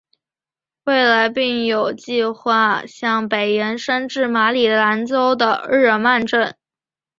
未来并有计画向北延伸至马里兰州的日耳曼镇。